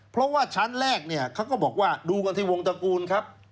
เพราะว่าชั้นแรกเนี่ยเขาก็บอกว่าดูกันที่วงตระกูลครับ